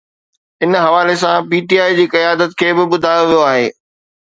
ان حوالي سان P T I جي قيادت کي به ٻڌايو ويو آهي